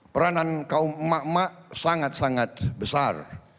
peranan kaum emak emak sangat sangat besar